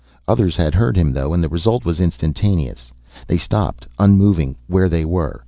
Others had heard him though, and the result was instantaneous. They stopped, unmoving, where they were.